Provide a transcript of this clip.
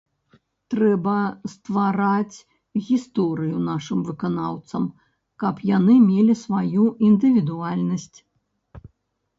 Трэба ствараць гісторыю нашым выканаўцам, каб яны мелі сваю індывідуальнасць.